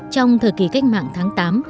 trong thời kỳ cách mạng tháng tám